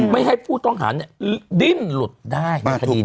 ไม่ใช่ผู้ต้องหานี่ดินหลุดได้